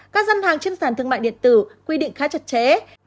các dân hàng trên sản thương mại điện tử quy định khá chặt chẽ